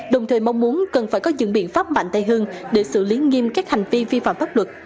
đồng thời mong muốn cần phải có những biện pháp mạnh tay hơn để xử lý nghiêm các hành vi vi phạm pháp luật